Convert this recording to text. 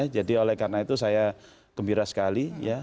jadi oleh karena itu saya gembira sekali